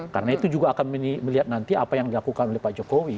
karena itu juga akan melihat nanti apa yang dilakukan oleh pak jokowi